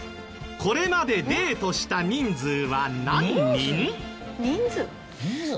これまでデートした人数は何人？